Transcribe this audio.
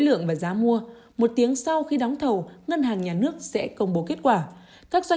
lượng và giá mua một tiếng sau khi đóng thầu ngân hàng nhà nước sẽ công bố kết quả các doanh